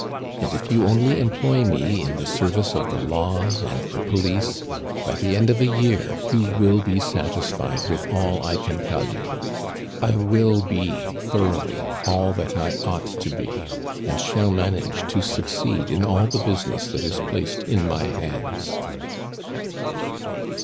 And if you only employ me in the service of the law and the police, by the end of a year you will be satisfied with all I can tell you. I will be thoroughly all that I ought to be, and shall manage to succeed in all the business that is placed in my hands."